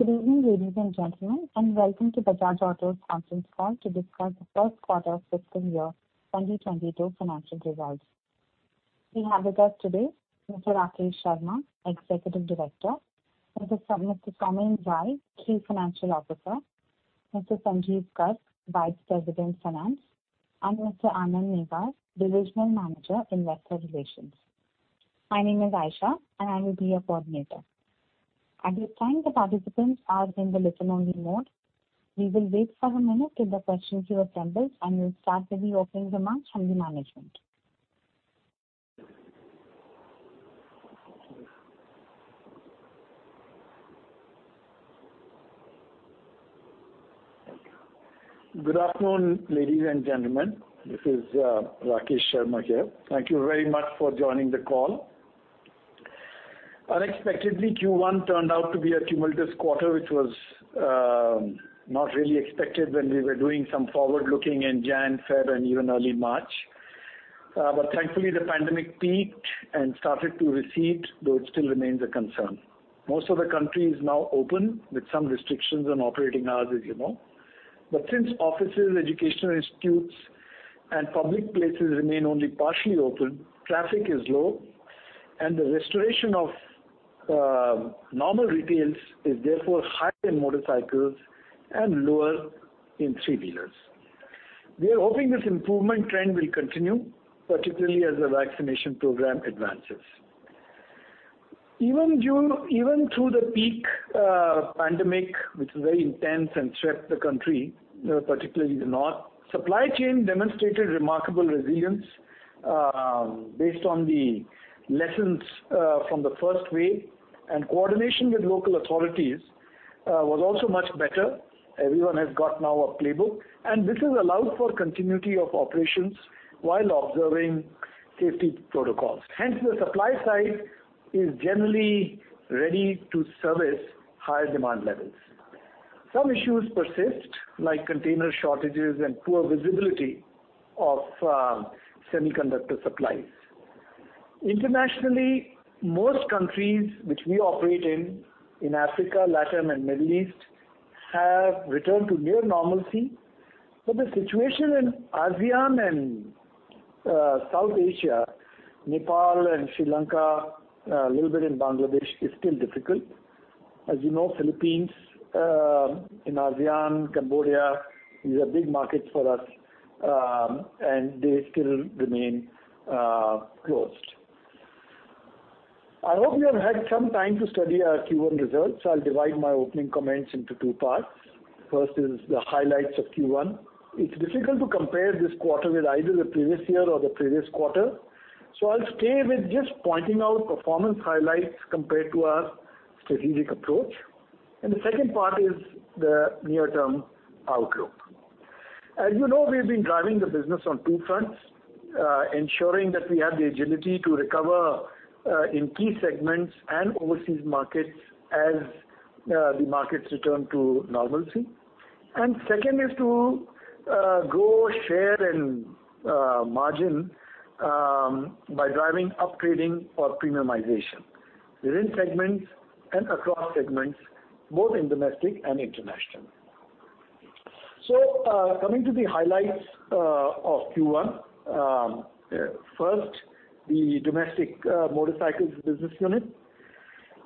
Good evening, ladies and gentlemen, and welcome to Bajaj Auto conference call to discuss the 1st quarter of FY 2022 financial results. We have with us today Mr. Rakesh Sharma, Executive Director; Mr. Soumen Ray, Chief Financial Officer; Mr. Sanjeev Garg, Vice President, Finance; and Mr. Anand Newar, Divisional Manager, Investor Relations. My name is Aisha, and I will be your operator. At this time, the participants are in the listen-only mode. We will wait for a minute till the questions are assembled, and we will start with the opening remarks from the management. Good afternoon, ladies and gentlemen. This is Rakesh Sharma here. Thank you very much for joining the call. Unexpectedly, Q1 turned out to be a tumultuous quarter, which was not really expected when we were doing some forward-looking in January, February, and even early March. Thankfully, the pandemic peaked and started to recede, though it still remains a concern. Most of the country is now open with some restrictions on operating hours, as you know. Since offices, educational institutes, and public places remain only partially open, traffic is low, and the restoration of normal retails is therefore higher in motorcycles and lower in three-wheelers. We are hoping this improvement trend will continue, particularly as the vaccination program advances. Even through the peak pandemic, which was very intense and swept the country, particularly the north, supply chain demonstrated remarkable resilience based on the lessons from the first wave. Coordination with local authorities was also much better. Everyone has got now a playbook. This has allowed for continuity of operations while observing safety protocols. Hence, the supply side is generally ready to service higher demand levels. Some issues persist, like container shortages and poor visibility of semiconductor supplies. Internationally, most countries which we operate in Africa, LATAM, and Middle East, have returned to near normalcy. The situation in ASEAN and South Asia, Nepal and Sri Lanka, a little bit in Bangladesh, is still difficult. As you know, Philippines, in ASEAN, Cambodia, these are big markets for us, and they still remain closed. I hope you have had some time to study our Q1 results. I'll divide my opening comments into two parts. First is the highlights of Q1. It's difficult to compare this quarter with either the previous year or the previous quarter. I'll stay with just pointing out performance highlights compared to our strategic approach. The second part is the near-term outlook. As you know, we've been driving the business on two fronts, ensuring that we have the agility to recover in key segments and overseas markets as the markets return to normalcy. Second is to grow, share, and margin by driving up trading or premiumization within segments and across segments, both in domestic and international. Coming to the highlights of Q1. First, the domestic motorcycles business unit.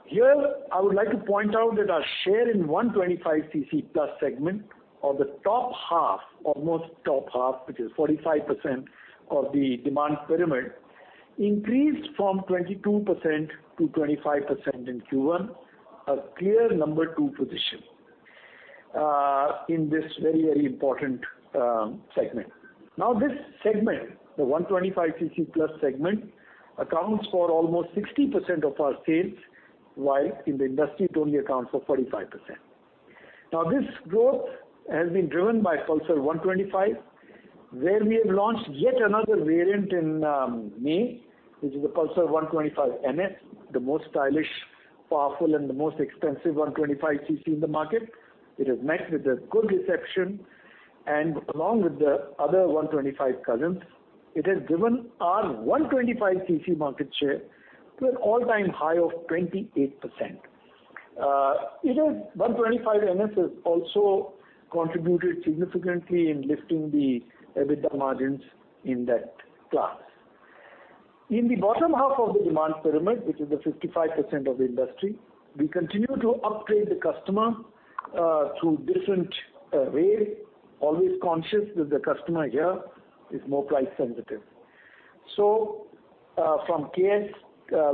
Here, I would like to point out that our share in 125cc-plus segment or the top half, almost top half, which is 45% of the demand pyramid, increased from 22% to 25% in Q1, a clear number two position in this very important segment. Now, this segment, the 125cc-plus segment, accounts for almost 60% of our sales, while in the industry, it only accounts for 45%. Now, this growth has been driven by Pulsar 125, where we have launched yet another variant in May, which is a Pulsar 125 NS, the most stylish, powerful, and the most expensive 125cc in the market. It is met with a good reception, and along with the other 125 cousins, it has given our 125cc market share to an all-time high of 28%. 125 NS has also contributed significantly in lifting the EBITDA margins in that class. In the bottom half of the demand pyramid, which is the 55% of the industry, we continue to upgrade the customer through different ways, always conscious that the customer here is more price-sensitive. From KS,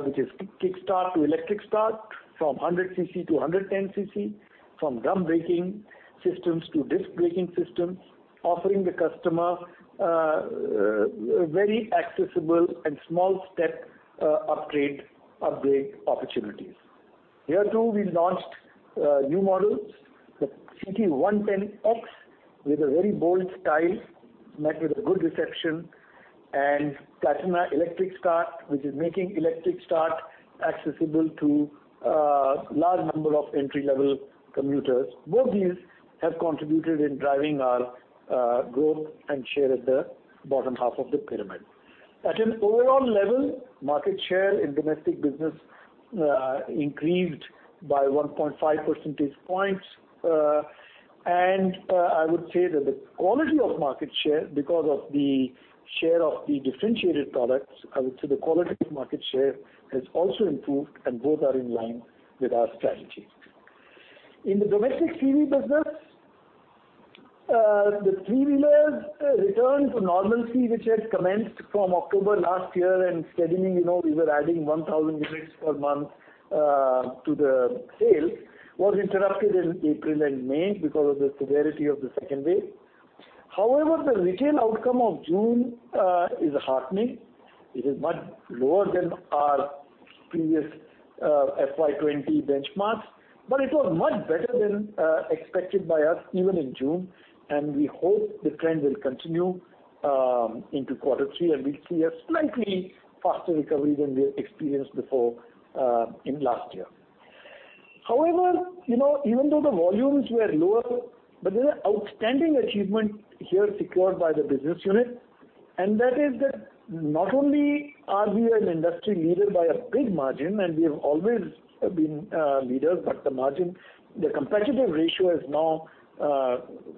which is kickstart to electric start, from 100cc to 110cc, from drum braking systems to disc braking systems, offering the customer very accessible and small step upgrade opportunities. Here, too, we launched new models, the CT 110X, with a very bold style, met with a good reception, and Platina electric start, which is making electric start accessible to a large number of entry-level commuters. Both these have contributed in driving our growth and share at the bottom half of the pyramid. At an overall level, market share in domestic business increased by 1.5% points. I would say that the quality of market share, because of the share of the differentiated products, I would say the quality of market share has also improved, and both are in line with our strategy. In the domestic 3W business, the three-wheelers return to normalcy, which has commenced from October last year and steadily, we were adding 1,000 units per month to the sale, was interrupted in April and May because of the severity of the second wave. However, the retail outcome of June is heartening. It is much lower than our previous FY 2020 benchmarks, but it was much better than expected by us even in June, and we hope the trend will continue into Q3, and we'll see a slightly faster recovery than we experienced before in last year. Even though the volumes were lower, but there's an outstanding achievement here secured by the business unit, and that is that not only are we an industry leader by a big margin, and we have always been leaders, but the margin, the competitive ratio is now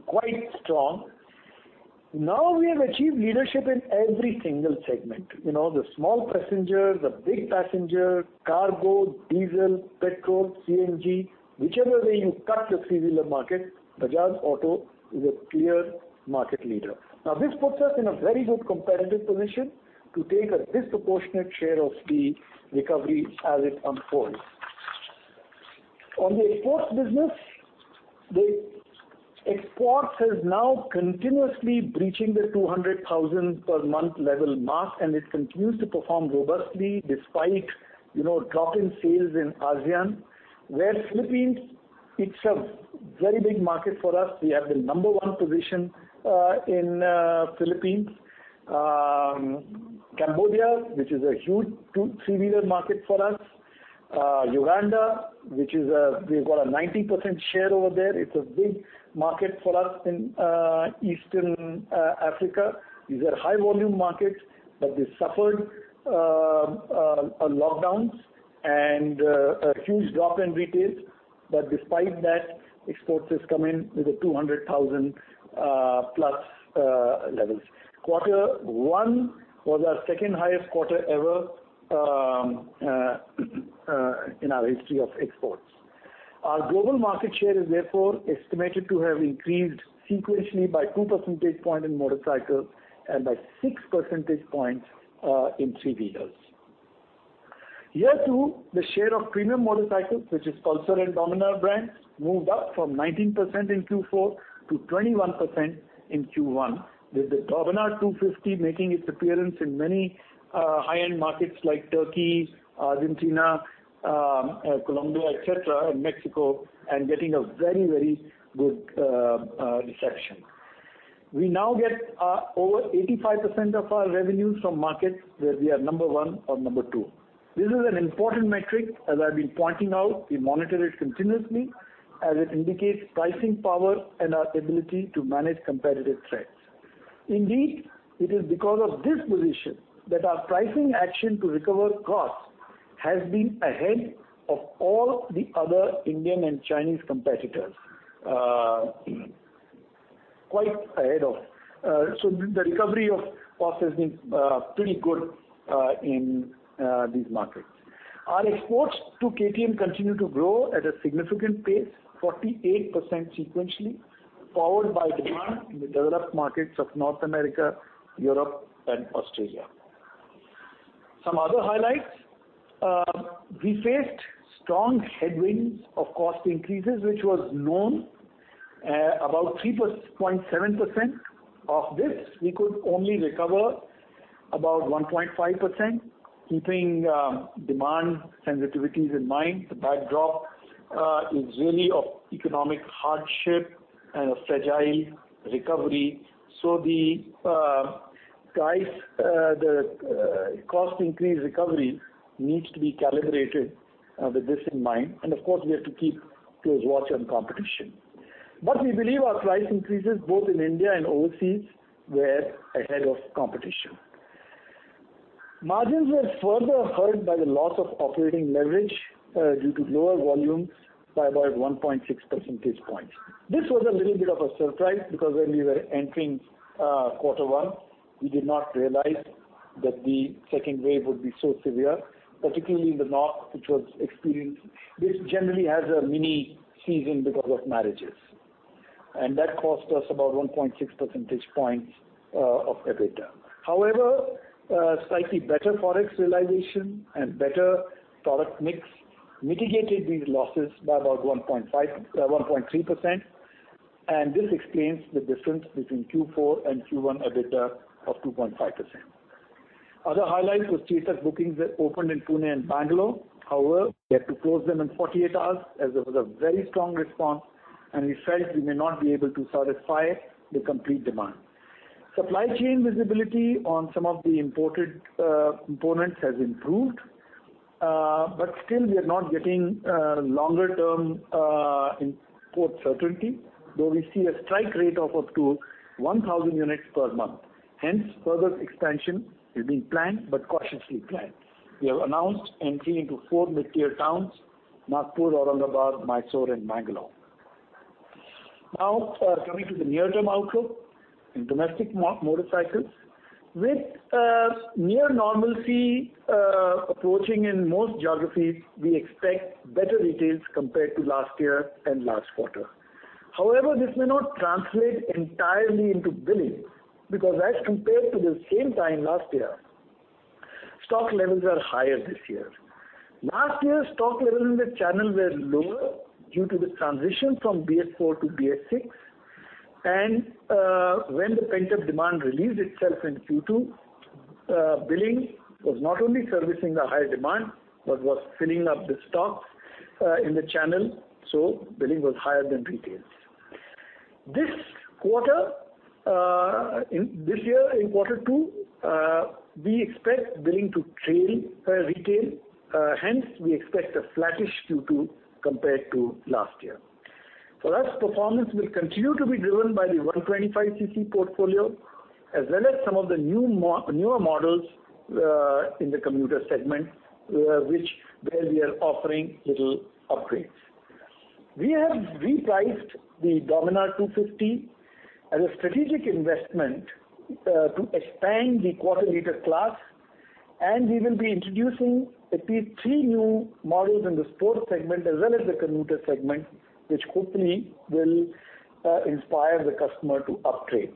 quite strong. We have achieved leadership in every single segment. The small passenger, the big passenger, cargo, diesel, petrol, CNG, whichever way you cut the three-wheeler market, Bajaj Auto is a clear market leader. This puts us in a very good competitive position to take a disproportionate share of the recovery as it unfolds. On the export business, the exports is now continuously breaching the 200,000 per month level mark, and it continues to perform robustly despite drop in sales in ASEAN, where Philippines, it's a very big market for us. We have the number one position in Philippines. Cambodia, which is a huge three-wheeler market for us. Uganda, we've got a 90% share over there. It's a big market for us in Eastern Africa. These are high volume markets, but they suffered lockdowns and a huge drop in retail. Despite that, exports has come in with a 200,000+ levels. Q1 was our second highest quarter ever in our history of exports. Our global market share is therefore estimated to have increased sequentially by 2 percentage points in motorcycles and by 6 percentage points in three-wheelers. Here, too, the share of premium motorcycles, which is Pulsar and Dominar brands, moved up from 19% in Q4 to 21% in Q1, with the Dominar 250 making its appearance in many high-end markets like Turkey, Argentina, Colombia, et cetera, and Mexico, and getting a very good reception. We now get over 85% of our revenues from markets where we are number one or number two. This is an important metric. As I've been pointing out, we monitor it continuously as it indicates pricing power and our ability to manage competitive threats. Indeed, it is because of this position that our pricing action to recover costs has been ahead of all the other Indian and Chinese competitors. Quite ahead of. The recovery of costs has been pretty good in these markets. Our exports to KTM continue to grow at a significant pace, 48% sequentially, powered by demand in the developed markets of North America, Europe and Australia. Some other highlights. We faced strong headwinds of cost increases, which was known. About 3.7% of this, we could only recover about 1.5%, keeping demand sensitivities in mind. The backdrop is really of economic hardship and a fragile recovery. The cost increase recovery needs to be calibrated with this in mind. Of course, we have to keep close watch on competition. We believe our price increases both in India and overseas were ahead of competition. Margins were further hurt by the loss of operating leverage due to lower volumes by about 1.6 percentage points. This was a little bit of a surprise because when we were entering quarter one, we did not realize that the second wave would be so severe, particularly in the north, which generally has a mini season because of marriages. That cost us about 1.6 percentage points of EBITDA. Slightly better Forex realization and better product mix mitigated these losses by about 1.3%, and this explains the difference between Q4 and Q1 EBITDA of 2.5%. Other highlights was Chetak bookings opened in Pune and Bangalore. We had to close them in 48 hours as there was a very strong response, and we felt we may not be able to satisfy the complete demand. Supply chain visibility on some of the imported components has improved. Still, we are not getting longer-term import certainty, though we see a strike rate of up to 1,000 units per month. Hence, further expansion is being planned, but cautiously planned. We have announced entry into 4 mid-tier towns, Nagpur, Aurangabad, Mysore, and Bangalore. Now, coming to the near-term outlook in domestic motorcycles. With near normalcy approaching in most geographies, we expect better retails compared to last year and last quarter. This may not translate entirely into billing because as compared to the same time last year, stock levels are higher this year. Last year, stock levels in the channel were lower due to the transition from BS4 to BS6. When the pent-up demand released itself in Q2, billing was not only servicing the high demand but was filling up the stock in the channel. Billing was higher than retails. This year in quarter two, we expect billing to trail retail. We expect a flattish Q2 compared to last year. For us, performance will continue to be driven by the 125cc portfolio, as well as some of the newer models in the commuter segment, where we are offering little upgrades. We have repriced the Dominar 250 as a strategic investment to expand the quarter-liter class. We will be introducing at least three new models in the sports segment as well as the commuter segment, which hopefully will inspire the customer to upgrade.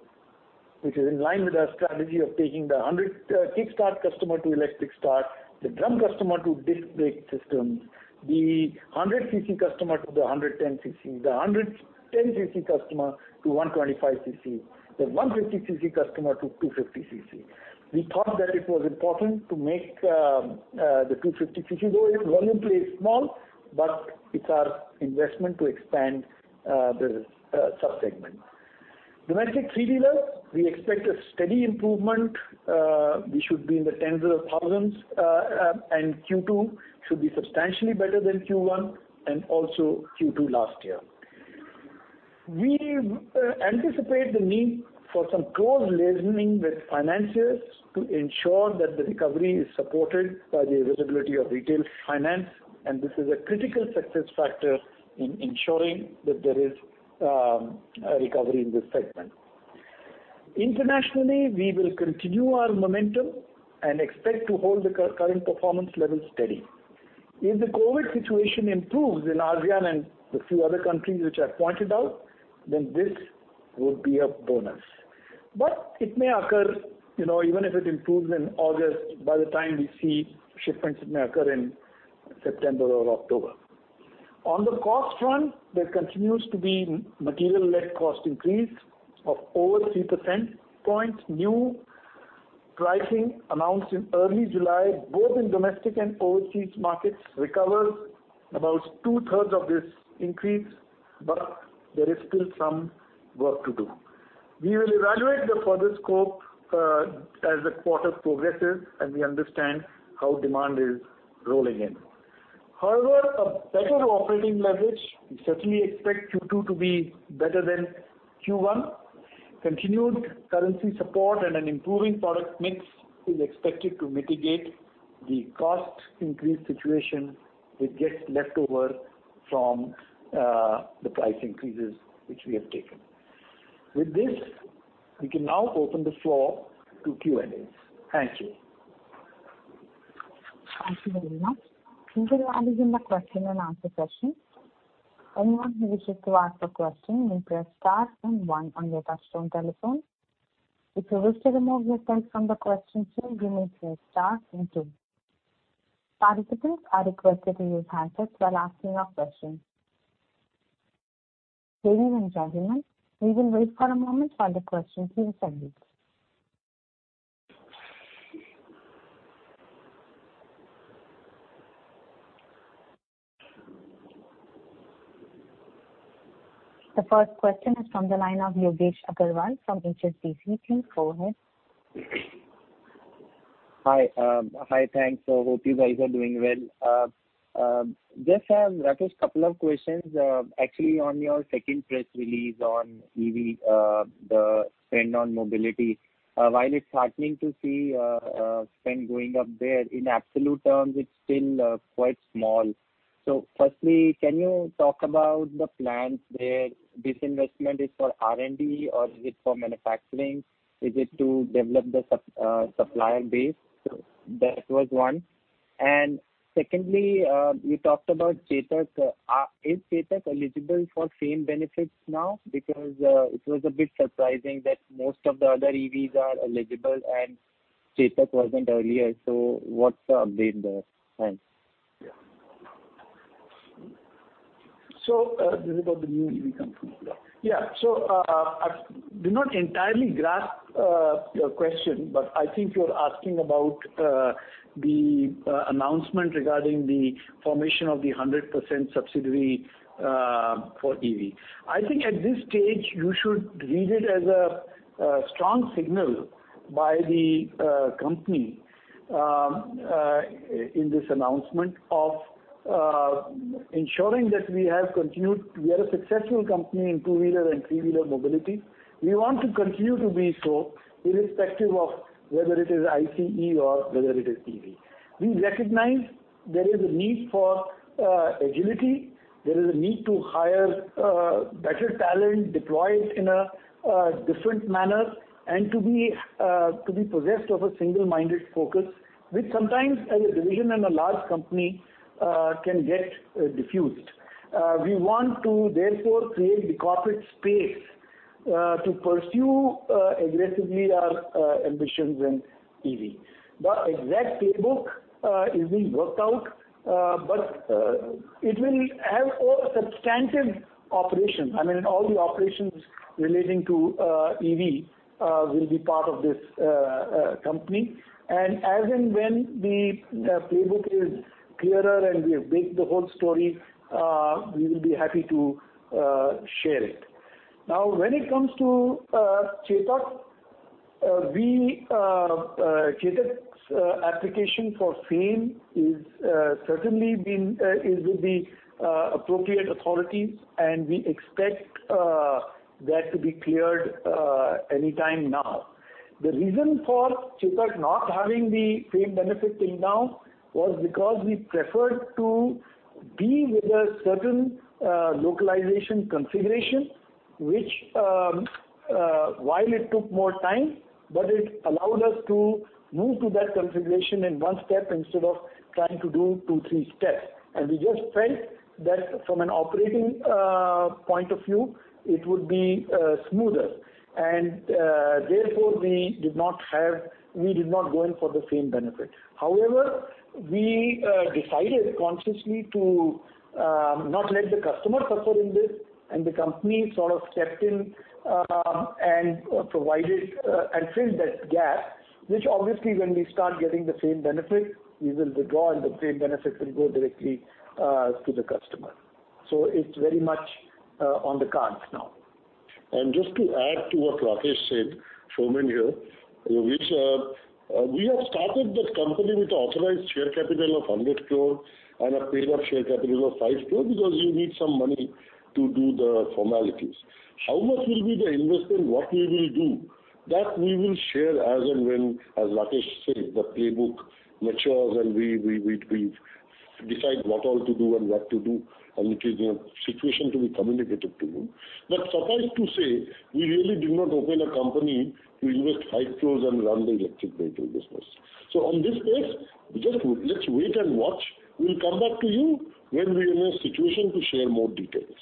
Which is in line with our strategy of taking the kick-start customer to electric start, the drum customer to disc brake systems, the 100cc customer to the 110cc, the 110cc customer to 125cc, the 150cc customer to 250cc. We thought that it was important to make the 250cc, though its volume play is small, but it's our investment to expand the sub-segment. Domestic three-wheeler, we expect a steady improvement, which should be in the tens of thousands. Q2 should be substantially better than Q1 and also Q2 last year. We anticipate the need for some close liaising with financiers to ensure that the recovery is supported by the availability of retail finance, and this is a critical success factor in ensuring that there is a recovery in this segment. Internationally, we will continue our momentum and expect to hold the current performance levels steady. If the COVID situation improves in ASEAN and the few other countries which I pointed out, then this would be a bonus. It may occur, even if it improves in August, by the time we see shipments, it may occur in September or October. On the cost front, there continues to be material-led cost increase of over 3 percentage points. New pricing announced in early July, both in domestic and overseas markets, recovers about two-thirds of this increase, but there is still some work to do. We will evaluate the further scope as the quarter progresses, and we understand how demand is rolling in. However, a better operating leverage, we certainly expect Q2 to be better than Q1. Continued currency support and an improving product mix is expected to mitigate the cost increase situation which gets left over from the price increases which we have taken. With this, we can now open the floor to Q&As. Thank you. Thank you very much. We will now begin the question-and-answer session. Anyone who wishes to ask a question may press star then one on your touch tone telephone. If you wish to remove yourself from the question queue, you may press star then two. Participants are requested to use handsets while asking a question. Ladies and gentlemen, we will wait for a moment while the questions being sent in. The first question is from the line of Yogesh Aggarwal from HSBC. Please go ahead. Hi. Thanks. Hope you guys are doing well. Rakesh, a couple of questions. Actually, on your second press release on EV, the spend on mobility. While it's heartening to see spend going up there, in absolute terms, it's still quite small. Firstly, can you talk about the plans there? This investment is for R&D or is it for manufacturing? Is it to develop the supplier base? That was one. Secondly, you talked about Chetak. Is Chetak eligible for FAME benefits now? It was a bit surprising that most of the other EVs are eligible and Chetak wasn't earlier. What's the update there? Thanks. This is about the new EV company. Yeah. I did not entirely grasp your question, but I think you're asking about the announcement regarding the formation of the 100% subsidiary for EV. I think at this stage you should read it as a strong signal by the company in this announcement of ensuring that we have continued. We are a successful company in two-wheeler and three-wheeler mobility. We want to continue to be so irrespective of whether it is ICE or whether it is EV. We recognize there is a need for agility, there is a need to hire better talent, deploy it in a different manner, and to be possessed of a single-minded focus, which sometimes as a division and a large company can get diffused. We want to therefore create the corporate space to pursue aggressively our ambitions in EV. The exact playbook is being worked out, but it will have a substantive operation. I mean, all the operations relating to EV will be part of this company. As and when the playbook is clearer and we have baked the whole story, we will be happy to share it. When it comes to Chetak's application for FAME is certainly with the appropriate authorities, we expect that to be cleared any time now. The reason for Chetak not having the FAME benefit till now was because we preferred to be with a certain localization configuration, which while it took more time, but it allowed us to move to that configuration in 1 step instead of trying to do two, three steps. We just felt that from an operating point of view, it would be smoother. Therefore we did not go in for the FAME benefit. We decided consciously to not let the customer suffer in this, and the company sort of stepped in and filled that gap, which obviously when we start getting the FAME benefit, we will withdraw and the FAME benefit will go directly to the customer. It's very much on the cards now. Just to add to what Rakesh said, Soumen here, we have started this company with authorized share capital of 100 crore and a paid-up share capital of 5 crore because you need some money to do the formalities. How much will be the investment, what we will do? That we will share as and when, as Rakesh said, the playbook matures and we decide what all to do and what to do, and it is in a situation to be communicated to you. Suffice to say, we really did not open a company to invest INR 5 crores and run the electric vehicle business. On this space, just let's wait and watch. We'll come back to you when we are in a situation to share more details.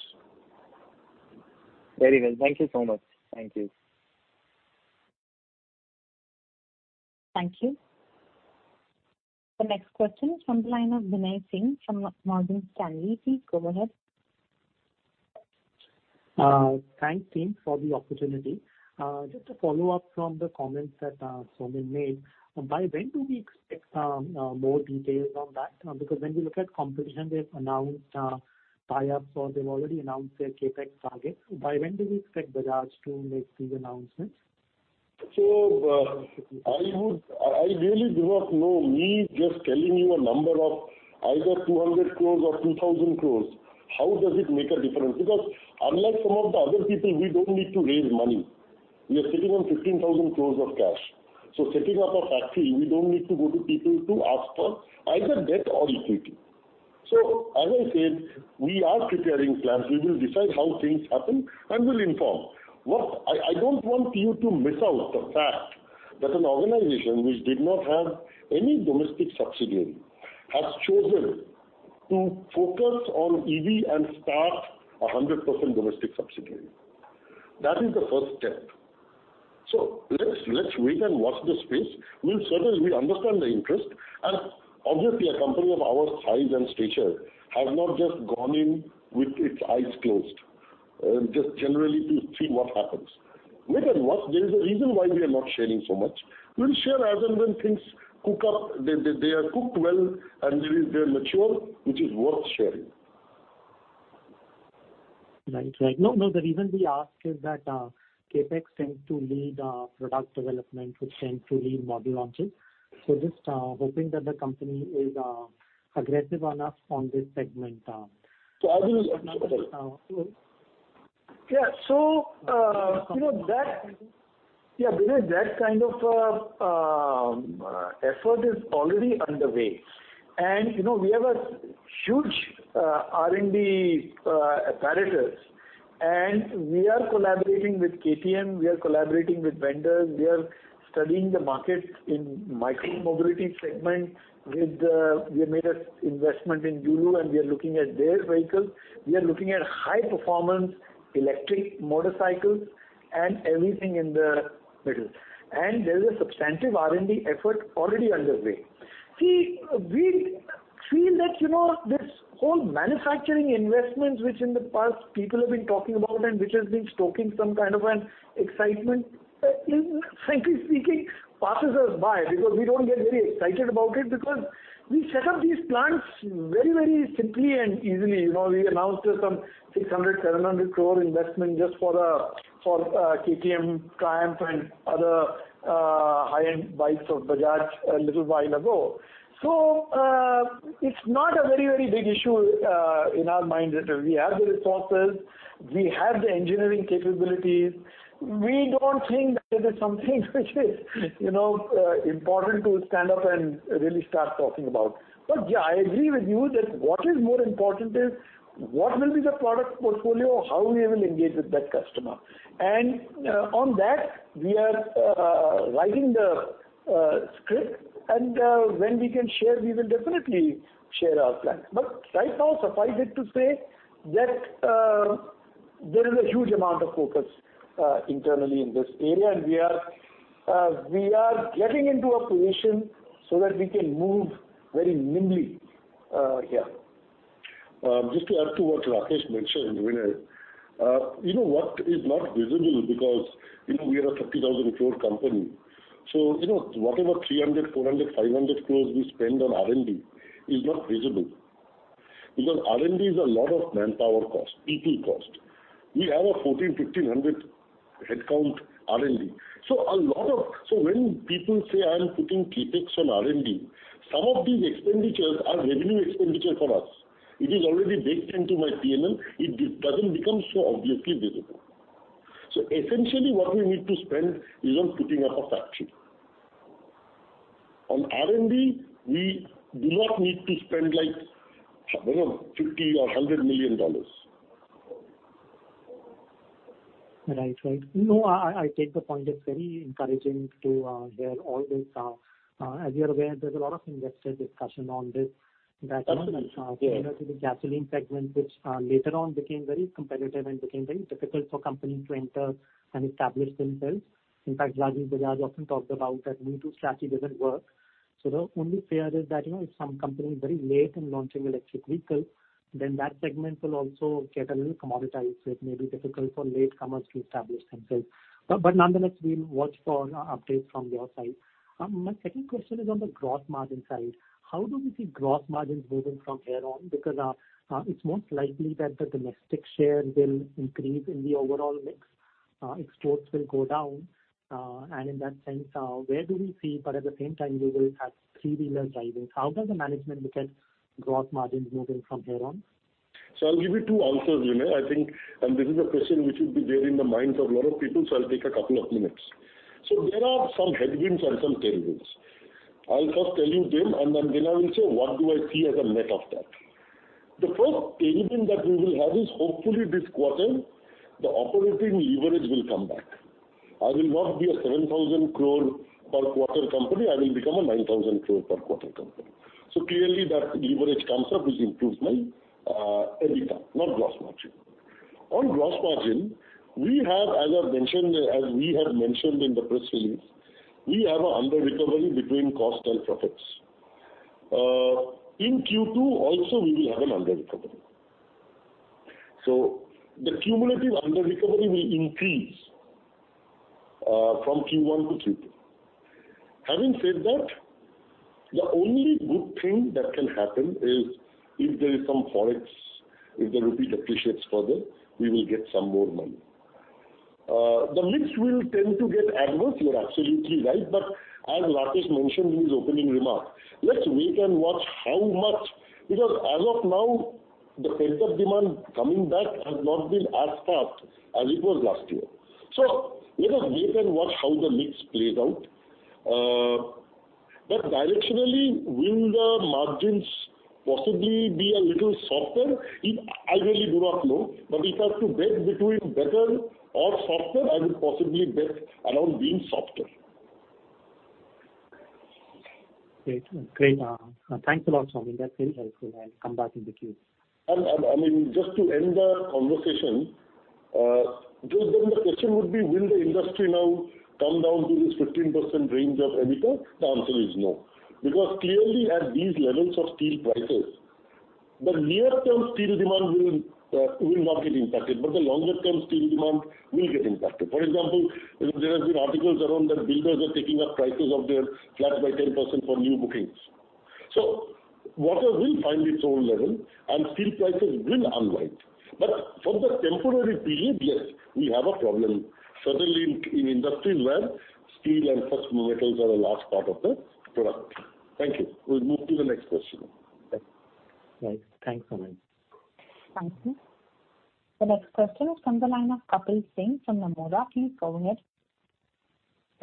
Very well. Thank you so much. Thank you. Thank you. The next question is from the line of Binay Singh from Morgan Stanley. Please go ahead. Thanks team for the opportunity. Just to follow up from the comments that Soumen made, by when do we expect some more details on that? When we look at competition, they've announced tie-ups or they've already announced their CapEx targets. By when do we expect Bajaj to make these announcements? I really do not know. Me just telling you a number of either 200 crores or 2,000 crores, how does it make a difference? Unlike some of the other people, we don't need to raise money. We are sitting on 15,000 crores of cash. Setting up a factory, we don't need to go to people to ask for either debt or equity. As I said, we are preparing plans. We will decide how things happen, and we'll inform. I don't want you to miss out the fact that an organization which did not have any domestic subsidiary has chosen to focus on EV and start 100% domestic subsidiary. That is the first step. Let's wait and watch this space. We understand the interest, and obviously a company of our size and stature has not just gone in with its eyes closed, just generally to see what happens. Wait and watch. There is a reason why we are not sharing so much. We'll share as and when things cook up, they are cooked well, and they're mature, which is worth sharing. Right. No, the reason we ask is that CapEx tends to lead product development, which tends to lead model launches. Just hoping that the company is aggressive enough on this segment. Yeah. Binay, that kind of effort is already underway. We have a huge R&D apparatus, and we are collaborating with KTM, we are collaborating with vendors. We are studying the market in micro mobility segment. We have made an investment in Yulu, and we are looking at their vehicles. We are looking at high performance electric motorcycles and everything in the middle. There is a substantive R&D effort already underway. See, we feel that this whole manufacturing investment, which in the past people have been talking about and which has been stoking some kind of an excitement, frankly speaking, passes us by because we don't get very excited about it because we set up these plants very simply and easily. We announced some 600 crore-700 crore investment just for KTM, Triumph and other high-end bikes of Bajaj a little while ago. It's not a very big issue in our mind. We have the resources, we have the engineering capabilities. We don't think that it is something important to stand up and really start talking about. Yeah, I agree with you that what is more important is what will be the product portfolio, how we will engage with that customer. On that, we are writing the script, and when we can share, we will definitely share our plan. Right now, suffice it to say that there is a huge amount of focus internally in this area, and we are getting into a position so that we can move very nimbly here. Just to add to what Rakesh mentioned, Binay. What is not visible because we are an 50,000 crore company. Whatever 300 crore, 400 crore, 500 crore we spend on R&D is not visible. R&D is a lot of manpower cost, people cost. We have a 1,400, 1,500 headcount R&D. When people say, "I am putting CapEx on R&D," some of these expenditures are revenue expenditure for us. It is already baked into my P&L. It doesn't become so obviously visible. Essentially, what we need to spend is on putting up a factory. On R&D, we do not need to spend $50 million or $100 million. Right. No, I take the point. It's very encouraging to hear all this. As you're aware, there's a lot of investor discussion on this. Absolutely, yeah. that even with the gasoline segment, which later on became very competitive and became very difficult for companies to enter and establish themselves. In fact, Rajiv Bajaj often talked about that me-too strategy doesn't work. The only fear is that, if some company is very late in launching electric vehicle, then that segment will also get a little commoditized. It may be difficult for latecomers to establish themselves. Nonetheless, we'll watch for updates from your side. My second question is on the gross margin side. How do we see gross margins moving from here on? Because it's most likely that the domestic share will increase in the overall mix. Exports will go down. In that sense, but at the same time, we will have three-wheelers rising. How does the management look at gross margins moving from here on? I'll give you two answers, Binay. This is a question which will be there in the minds of a lot of people, I'll take a couple of minutes. There are some headwinds and some tailwinds. I'll first tell you them, then I will say, what do I see as a net of that. The first tailwind that we will have is hopefully this quarter, the operating leverage will come back. I will not be an 7,000 crore per quarter company, I will become an 9,000 crore per quarter company. Clearly that leverage comes up, which improves my EBITDA, not gross margin. On gross margin, as we have mentioned in the press release, we have an under-recovery between cost and profits. In Q2 also, we will have an under-recovery. The cumulative under-recovery will increase from Q1 to Q2. Having said that, the only good thing that can happen is if there is some Forex, if the rupee depreciates further, we will get some more money. The mix will tend to get adverse, you're absolutely right, but as Rakesh mentioned in his opening remarks, let's wait and watch how much, because as of now, the pent-up demand coming back has not been as fast as it was last year. Let us wait and watch how the mix plays out. Directionally, will the margins possibly be a little softer? I really do not know. If I have to bet between better or softer, I would possibly bet around being softer. Great. Thanks a lot, Soumen Ray. That's really helpful. I'll come back in the queue. Just to end the conversation, just then the question would be, will the industry now come down to this 15% range of EBITDA? The answer is no. Clearly at these levels of steel prices, the near-term steel demand will not get impacted, but the longer-term steel demand will get impacted. For example, there have been articles around that builders are taking up prices of their flats by 10% for new bookings. Water will find its own level, and steel prices will unwind. For the temporary period, yes, we have a problem, certainly in industries where steel and ferrous metals are a large part of the product. Thank you. We'll move to the next question. Right. Thanks, Soumen Ray. Thank you. The next question is from the line of Kapil Singh from Nomura. Please go ahead.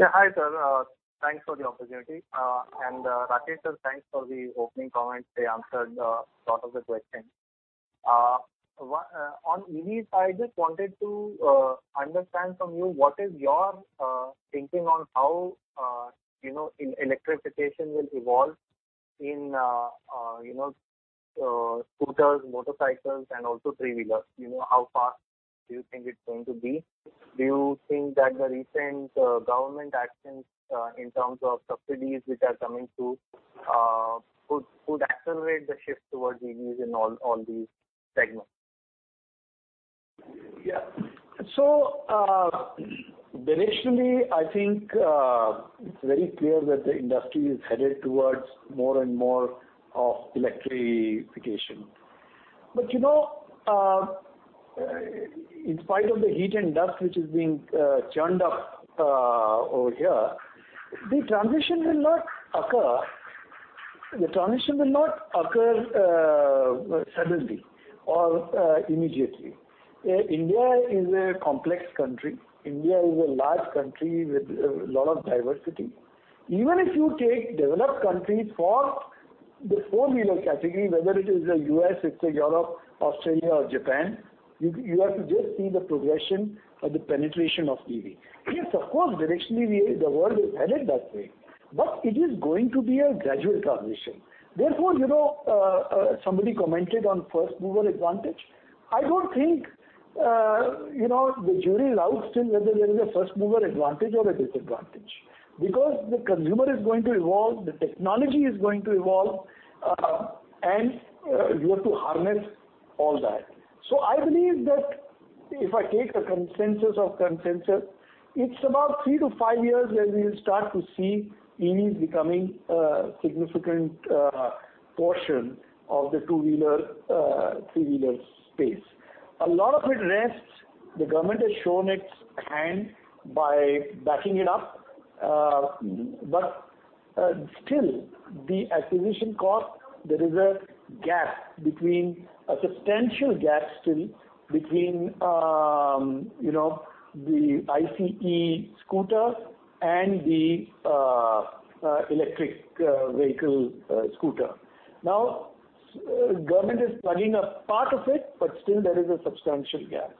Hi, sir. Thanks for the opportunity. Rakesh, sir, thanks for the opening comments. They answered a lot of the questions. On EVs, I just wanted to understand from you, what is your thinking on how electrification will evolve in scooters, motorcycles, and also three-wheelers, how fast do you think it's going to be? Do you think that the recent government actions in terms of subsidies which are coming through could accelerate the shift towards EVs in all these segments? Directionally, I think it's very clear that the industry is headed towards more and more of electrification. In spite of the heat and dust which is being churned up over here, the transition will not occur suddenly or immediately. India is a complex country. India is a large country with a lot of diversity. Even if you take developed countries for the 4-wheeler category, whether it is the U.S., it's Europe, Australia, or Japan, you have to just see the progression of the penetration of EV. Yes, of course, directionally, the world is headed that way, it is going to be a gradual transition. Somebody commented on first mover advantage. I don't think the jury is out still whether there is a first mover advantage or a disadvantage, because the consumer is going to evolve, the technology is going to evolve, and you have to harness all that. I believe that if I take the consensus of consensus, it's about three-five years, where we will start to see EVs becoming a significant portion of the two-wheeler, three-wheeler space. The government has shown its hand by backing it up. Still, the acquisition cost, there is a substantial gap still between the ICE scooter and the electric vehicle scooter. Government is plugging a part of it, but still, there is a substantial gap.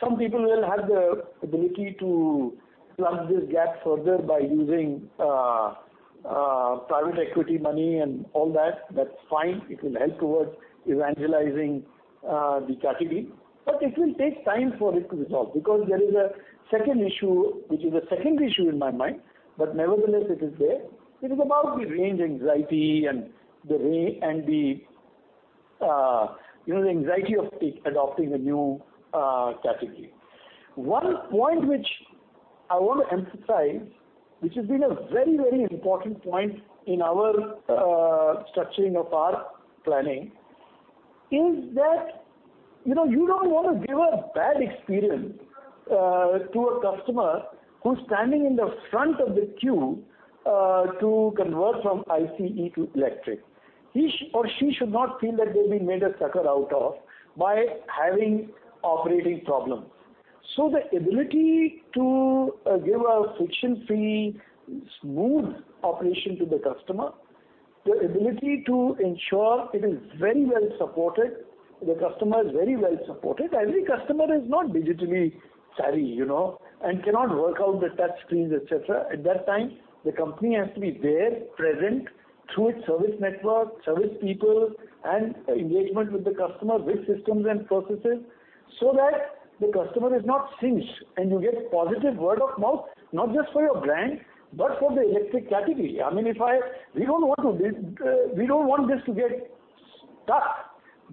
Some people will have the ability to plug this gap further by using private equity money and all that. That's fine. It will help towards evangelizing the category. It will take time for it to resolve, because there is a second issue, which is the second issue in my mind, but nevertheless, it is there. It is about the range anxiety and the anxiety of adopting a new category. One point which I want to emphasize, which has been a very important point in our structuring of our planning is that you don't want to give a bad experience to a customer who's standing in the front of the queue to convert from ICE to electric. He or she should not feel that they've been made a sucker out of by having operating problems. The ability to give a friction-free, smooth operation to the customer, the ability to ensure it is very well supported, the customer is very well supported. Every customer is not digitally savvy and cannot work out the touch screens, et cetera. At that time, the company has to be there, present through its service network, service people, and engagement with the customer with systems and processes, so that the customer is not singed and you get positive word of mouth, not just for your brand, but for the electric category. We don't want this to get stuck.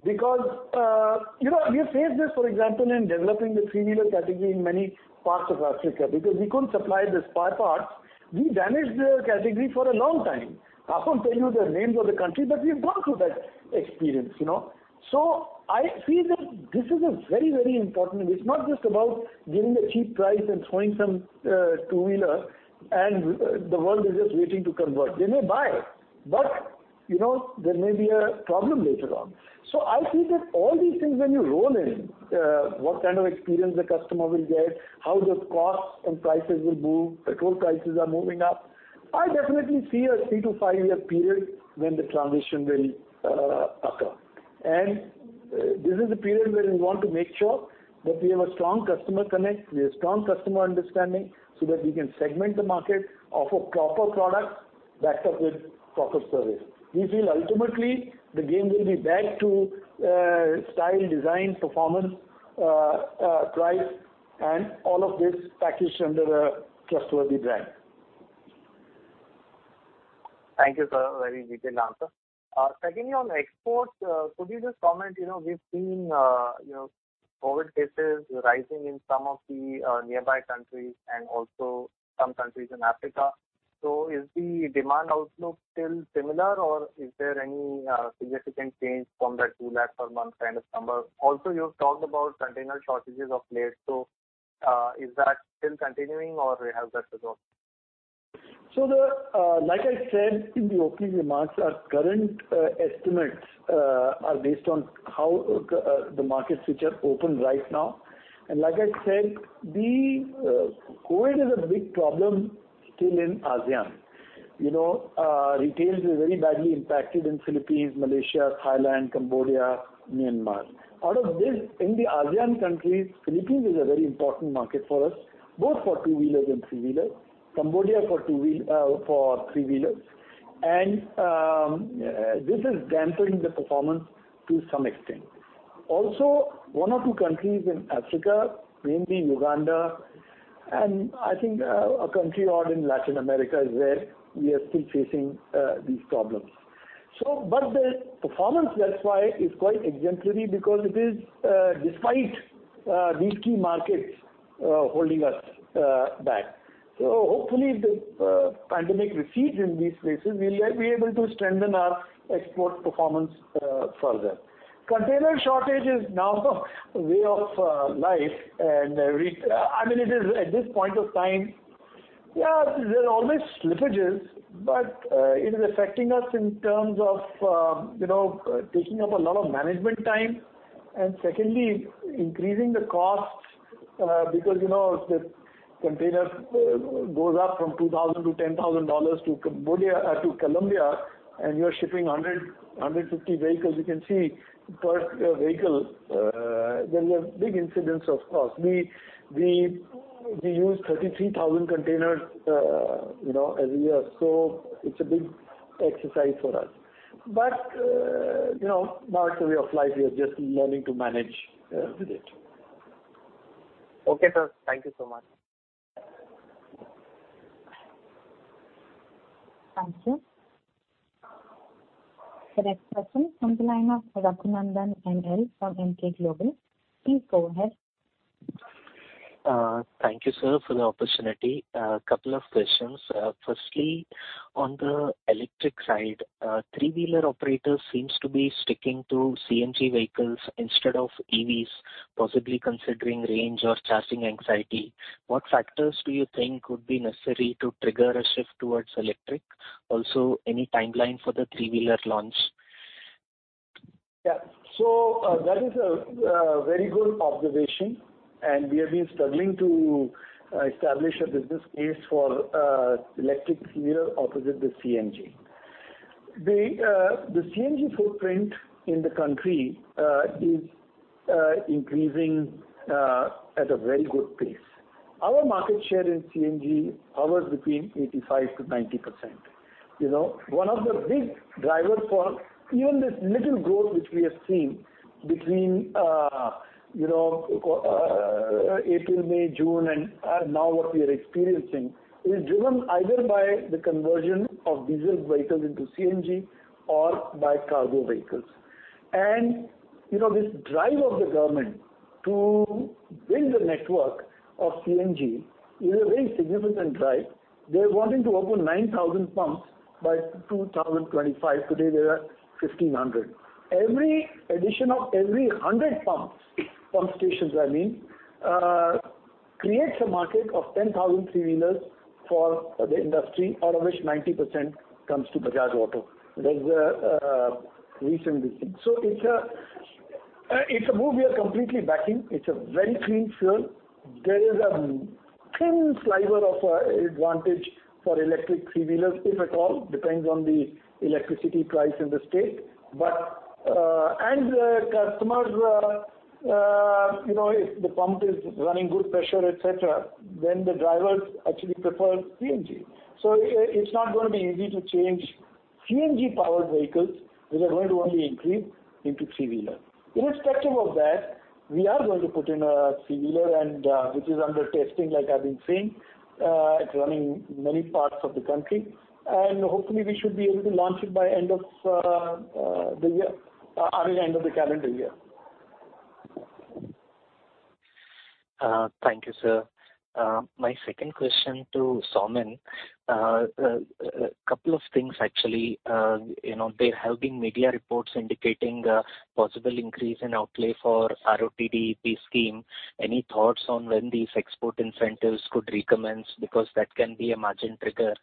We have faced this, for example, in developing the three-wheeler category in many parts of Africa, because we couldn't supply the spare parts. We damaged the category for a long time. I won't tell you the names of the country, but we've gone through that experience. I see that this is very important. It's not just about giving a cheap price and throwing some two-wheeler, and the world is just waiting to convert. They may buy, but there may be a problem later on. I see that all these things, when you roll in, what kind of experience the customer will get, how those costs and prices will move. Petrol prices are moving up. I definitely see a three-five-year period when the transition will occur. This is the period where we want to make sure that we have a strong customer connect, we have strong customer understanding, so that we can segment the market, offer proper product backed up with proper service. We feel ultimately, the game will be back to style, design, performance, price, and all of this packaged under a trustworthy brand. Thank you, sir. Very detailed answer. On exports, could you just comment, we've seen COVID cases rising in some of the nearby countries and also some countries in Africa. Is the demand outlook still similar or is there any significant change from that 2 lakh per month kind of number? You've talked about container shortages of late. Is that still continuing or has that resolved? Like I said in the opening remarks, our current estimates are based on how the markets which are open right now. Like I said, COVID is a big problem still in ASEAN. Retails is very badly impacted in Philippines, Malaysia, Thailand, Cambodia, Myanmar. Out of this, in the ASEAN countries, Philippines is a very important market for us, both for two-wheelers and three-wheelers. Cambodia for three-wheelers. This is dampening the performance to some extent. Also, one or two countries in Africa, mainly Uganda, and I think a country or in Latin America is where we are still facing these problems. The performance, that's why, is quite exemplary because it is despite these key markets holding us back. Hopefully, if the pandemic recedes in these places, we'll be able to strengthen our export performance further. Container shortage is now a way of life, and at this point of time, there are always slippages, but it is affecting us in terms of taking up a lot of management time, and secondly, increasing the costs because the container goes up from $2,000 to $10,000 to Colombia, and you're shipping 150 vehicles. You can see per vehicle, there is a big incidence of cost. We use 33,000 containers every year, so it's a big exercise for us. Now it's a way of life. We are just learning to manage with it. Okay, sir. Thank you so much. Thank you. The next person from the line of Raghunandan N.L. from NK Global. Please go ahead. Thank you, sir, for the opportunity. A couple of questions. Firstly, on the electric side, three-wheeler operators seems to be sticking to CNG vehicles instead of EVs, possibly considering range or charging anxiety. What factors do you think would be necessary to trigger a shift towards electric? Also, any timeline for the three-wheeler launch? Yeah. That is a very good observation, and we have been struggling to establish a business case for electric three-wheeler opposite the CNG. The CNG footprint in the country is increasing at a very good pace. Our market share in CNG hovers between 85%-90%. One of the big drivers for even this little growth, which we have seen between April, May, June, and now what we are experiencing, is driven either by the conversion of diesel vehicles into CNG or by cargo vehicles. This drive of the government to build a network of CNG is a very significant drive. They're wanting to open 9,000 pumps by 2025. Today, there are 1,500. Every addition of every 100 pump stations creates a market of 10,000 three-wheelers for the industry, out of which 90% comes to Bajaj Auto. That is the reason. It's a move we are completely backing. It's a very clean fuel. There is a thin sliver of advantage for electric three-wheelers, if at all, depends on the electricity price in the state. The customers, if the pump is running good pressure, et cetera, then the drivers actually prefer CNG. It's not going to be easy to change CNG-powered vehicles, which are going to only increase into three-wheeler. Irrespective of that, we are going to put in a three-wheeler and which is under testing, like I've been saying. It's running in many parts of the country, and hopefully, we should be able to launch it by end of the calendar year. Thank you, sir. My second question to Soumen. A couple of things, actually. There have been media reports indicating a possible increase in outlay for RoDTEP scheme. Any thoughts on when these export incentives could recommence? Because that can be a margin trigger.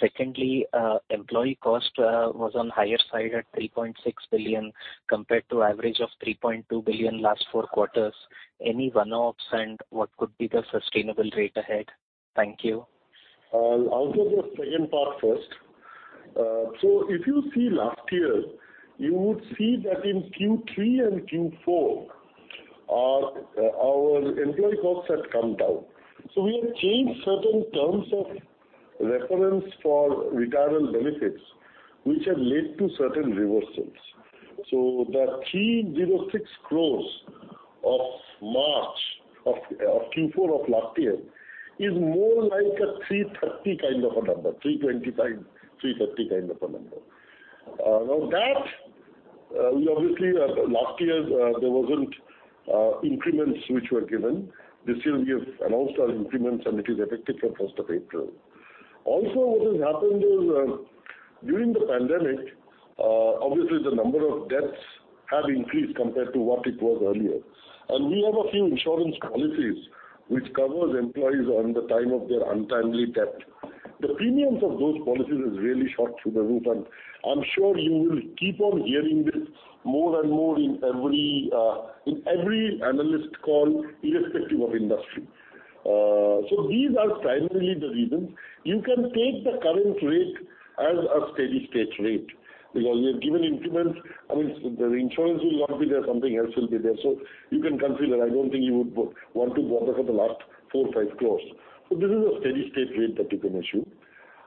Secondly, employee cost was on higher side at 3.6 billion compared to average of 3.2 billion last four quarters. Any one-offs? What could be the sustainable rate ahead? Thank you. I'll take the second part first. If you see last year, you would see that in Q3 and Q4, our employee costs had come down. We have changed certain terms of reference for retirement benefits, which have led to certain reversals. That 306 crores of Q4 of last year is more like a 330 kind of a number, 325, 330 kind of a number. That, obviously last year, there wasn't increments which were given. This year we have announced our increments, and it is effective from 1st of April. What has happened is, during the pandemic, obviously the number of deaths have increased compared to what it was earlier. We have a few insurance policies which covers employees on the time of their untimely death. The premiums of those policies has really shot through the roof. I'm sure you will keep on hearing this more and more in every analyst call irrespective of industry. These are primarily the reasons. You can take the current rate as a steady state rate, because we have given increments. I mean, the insurance will not be there, something else will be there. You can consider, I don't think you would want to bother for the last INR four, five crores. This is a steady state rate that you can assume.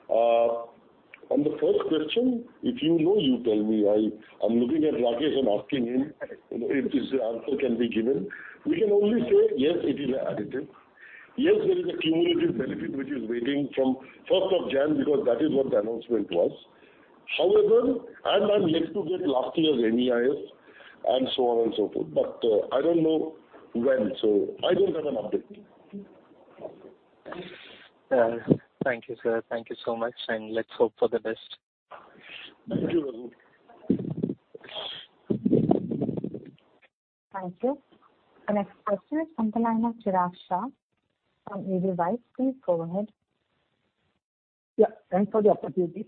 On the first question, if you know, you tell me. I'm looking at Rakesh and asking him if this answer can be given. We can only say, yes, it is additive. Yes, there is a cumulative benefit which is waiting from 1st of January, because that is what the announcement was. I'm yet to get last year's MEIS and so on and so forth. I don't know when, so I don't have an update. Thank you, sir. Thank you so much. Let's hope for the best. Thank you, Raghul. Thank you. The next question is from the line of Chirag Shah from Edelweiss. Please go ahead. Yeah, thanks for the opportunity.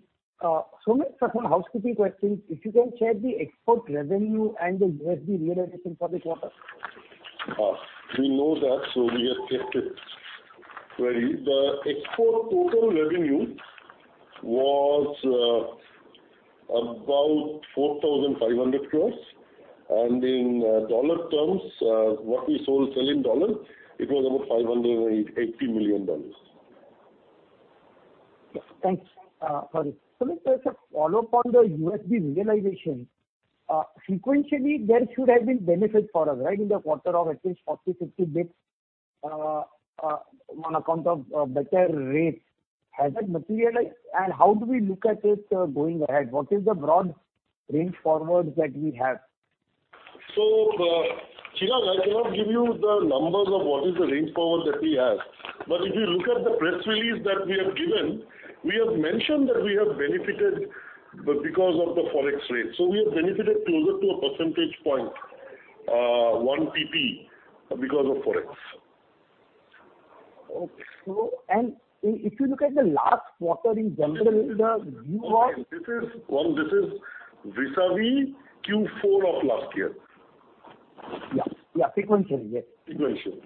Soumen, first one, housekeeping question. If you can share the export revenue and the USD realization for this quarter. We know that, so we have kept it ready. The export total revenue was about 4,500 crores, and in dollar terms, what we sold, sell in dollar, it was about $580 million. Yes. Thanks. Sorry. Soumen, there's a follow-up on the USD realization. Sequentially, there should have been benefit for us, right? In the quarter of at least 40, 50 basis points on account of better rates. Has that materialized? How do we look at it going ahead? What is the broad range forward that we have? Chirag, I cannot give you the numbers of what is the range forward that we have. If you look at the press release that we have given, we have mentioned that we have benefited because of the Forex rate. We have benefited closer to a percentage point, 1 pp, because of Forex. Okay. If you look at the last quarter in general. Okay. This is vis-à-vis Q4 of last year. Yeah. Sequentially, yes. Sequentially.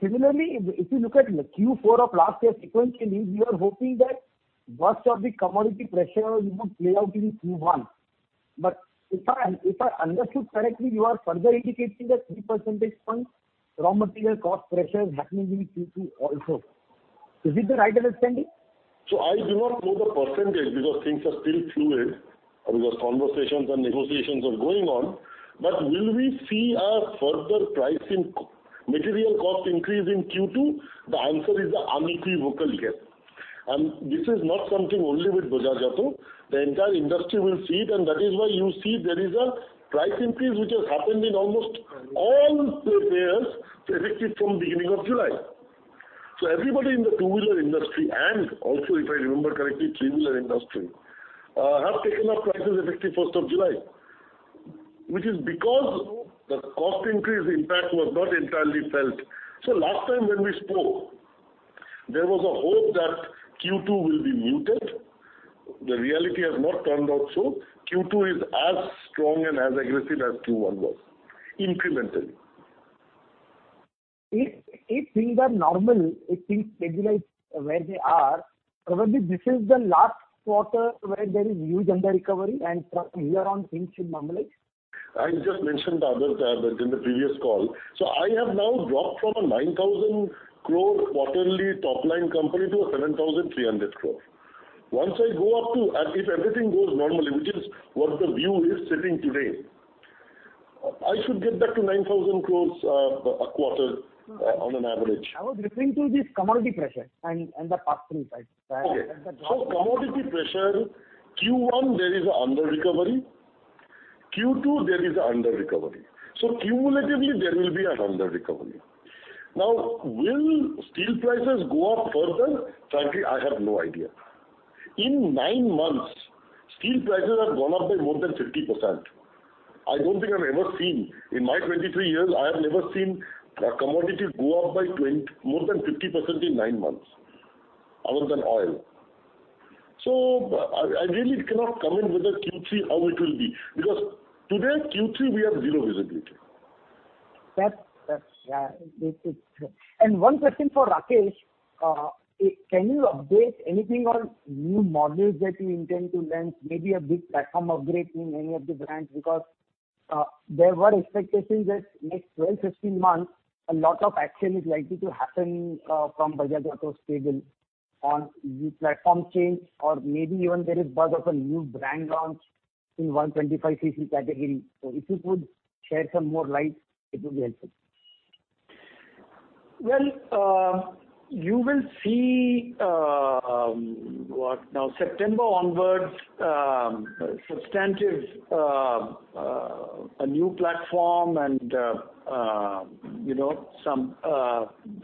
Yeah. Similarly, if you look at Q4 of last year sequentially, we were hoping that worst of the commodity pressure would play out in Q1. If I understood correctly, you are further indicating that three percentage points raw material cost pressure is happening in Q2 also. Is it the right understanding? I do not know the percentage because things are still fluid, because conversations and negotiations are going on. Will we see a further pricing material cost increase in Q2? The answer is a unequivocal yes. This is not something only with Bajaj Auto. The entire industry will see it, and that is why you see there is a price increase which has happened in almost all players effective from beginning of July. Everybody in the two-wheeler industry, and also, if I remember correctly, three-wheeler industry, have taken up prices effective 1st of July. Which is because the cost increase impact was not entirely felt. Last time when we spoke, there was a hope that Q2 will be muted. The reality has not turned out so. Q2 is as strong and as aggressive as Q1 was, incrementally. If things are normal, if things stabilize where they are, probably this is the last quarter where there is huge under-recovery, and from here on, things should normalize? I just mentioned the other day that in the previous call. I have now dropped from a 9,000 crore quarterly top-line company to a 7,300 crore. Once I go up to, if everything goes normally, which is what the view is sitting today, I should get back to 9,000 crores a quarter on an average. I was referring to this commodity pressure and the passing side. Okay. Commodity pressure, Q1, there is a under-recovery. Q2, there is a under-recovery. Cumulatively, there will be an under-recovery. Now, will steel prices go up further? Frankly, I have no idea. In nine months, steel prices have gone up by more than 50%. I don't think I've ever seen, in my 23 years, I have never seen a commodity go up by more than 50% in nine months, other than oil. I really cannot comment whether Q3, how it will be, because today, Q3, we have zero visibility. That's right. One question for Rakesh. Can you update anything on new models that you intend to launch, maybe a big platform upgrade in any of the brands? There were expectations that next 12, 15 months, a lot of action is likely to happen from Bajaj Auto stable on new platform change or maybe even there is buzz of a new brand launch in 125cc category. If you could share some more light, it would be helpful. Well, you will see, what now, September onwards, substantive, a new platform and some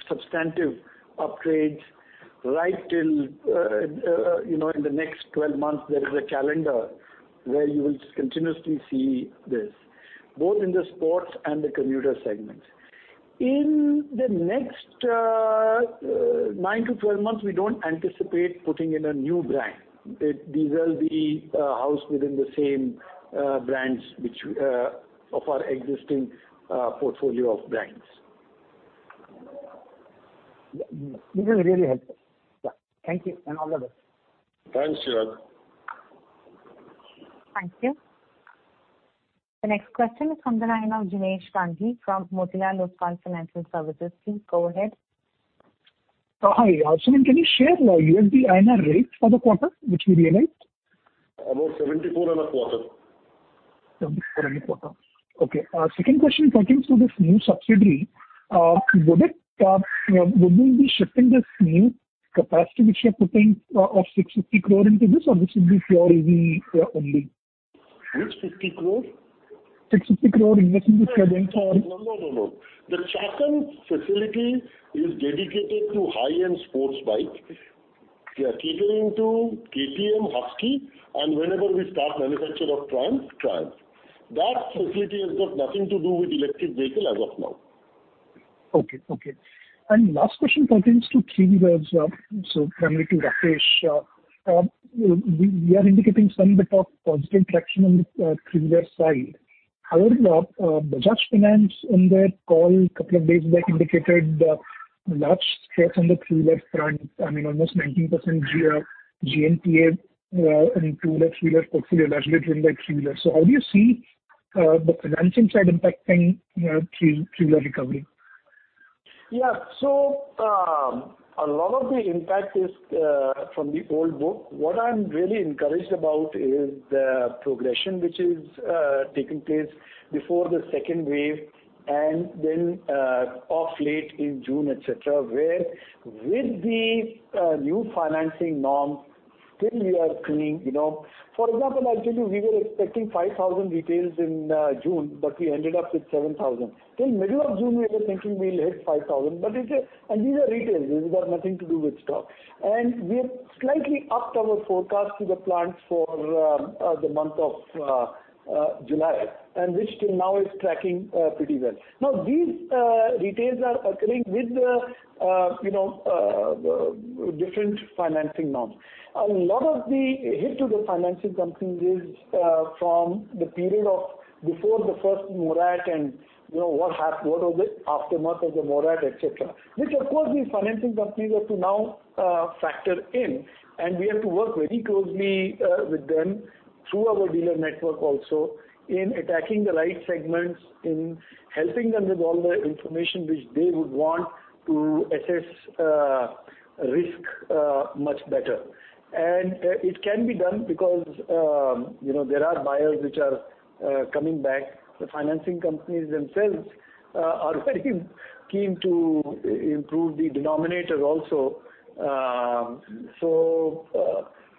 substantive upgrades right till in the next 12 months, there is a calendar where you will continuously see this, both in the sports and the commuter segments. In the next nine-12 months, we don't anticipate putting in a new brand. These will be housed within the same brands of our existing portfolio of brands. Yeah. This is really helpful. Yeah. Thank you, and all the best. Thanks, Chirag. Thank you. The next question is from the line of Jinesh Gandhi from Motilal Oswal Financial Services. Please go ahead. Hi. Absolutely. Can you share USD INR rates for the quarter which we realized? About 74 in a quarter. 74 in a quarter. Okay. Second question pertains to this new subsidiary. Would we be shifting this new capacity which we are putting of 650 crore into this, or this would be pure EV only? Which 50 crore? 650 crore investment. No. The Chakan facility is dedicated to high-end sports bike, catering to KTM, Husqvarna, and whenever we start manufacture of Triumph. That facility has got nothing to do with electric vehicle as of now. Okay. Last question pertains to three-wheelers. Primarily to Rakesh. We are indicating some bit of positive traction on the three-wheeler side. However, Bajaj Finance on their call a couple of days back indicated large stress on the three-wheeler front. Almost 19% GNPA in two-wheeler, three-wheeler portfolio, largely driven by three-wheeler. How do you see the financing side impacting your three-wheeler recovery? Yeah. A lot of the impact is from the old book. What I am really encouraged about is the progression which is taking place before the second wave, and then of late in June, et cetera, where with the new financing norms, still we are seeing For example, I will tell you, we were expecting 5,000 retails in June, but we ended up with 7,000. Till middle of June, we were thinking we will hit 5,000. These are retails. These have got nothing to do with stock. We have slightly upped our forecast to the plants for the month of July, and which till now is tracking pretty well. These retails are occurring with the different financing norms. A lot of the hit to the financing companies is from the period of before the first moratorium and what was it, aftermath of the moratorium, et cetera, which of course these financing companies have to now factor in. We have to work very closely with them through our dealer network also in attacking the right segments, in helping them with all the information which they would want to assess risk much better. It can be done because there are buyers which are coming back. The financing companies themselves are very keen to improve the denominators also.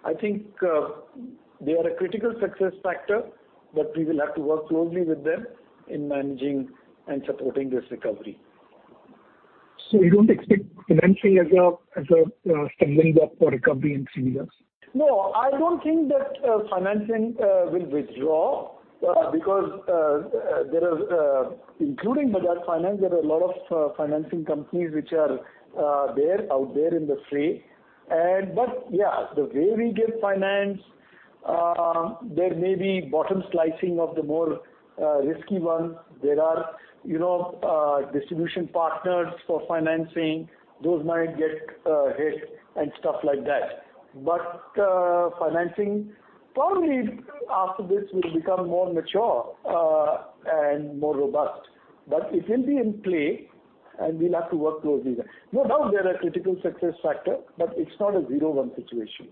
I think they are a critical success factor, but we will have to work closely with them in managing and supporting this recovery. You don't expect financing as a stumbling block for recovery in three-wheelers? No, I don't think that financing will withdraw, because including Bajaj Finance, there are a lot of financing companies which are out there in the fray. Yeah, the way we give finance, there may be bottom slicing of the more risky ones. There are distribution partners for financing. Those might get hit and stuff like that. Financing probably after this will become more mature and more robust. It will be in play and we'll have to work closely then. No doubt they're a critical success factor, but it's not a zero one situation.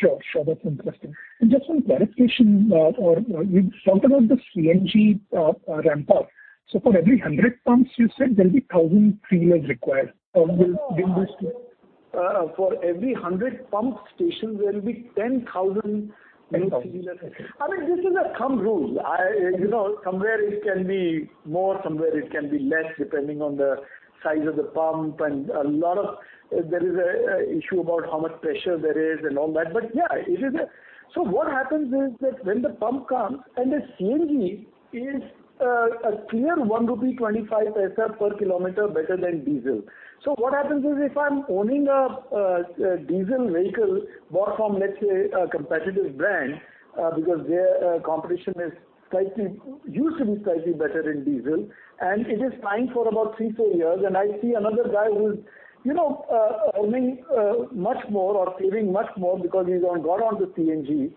Sure. That's interesting. Just one clarification. You talked about the CNG ramp-up. For every 100 pumps, you said there'll be 1,000 three-wheelers required. For every 100 pump station, there will be 10,000 new three-wheelers. This is a thumb rule. Somewhere it can be more, somewhere it can be less, depending on the size of the pump and there is an issue about how much pressure there is and all that. Yeah. What happens is that when the pump comes and the CNG is a clear 1.25 rupee per kilometer better than diesel. What happens is, if I'm owning a diesel vehicle bought from, let's say, a competitive brand, because their competition used to be slightly better in diesel, and it is pining for about three, four years, and I see another guy who's earning much more or saving much more because he's got onto CNG,